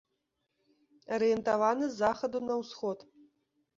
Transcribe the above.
Арыентаваны з захаду на ўсход.